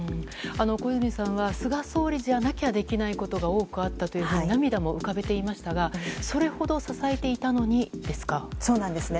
小泉さんは、菅総理じゃなきゃできないことが多くあったというふうに、涙も浮かべていましたが、そうなんですね。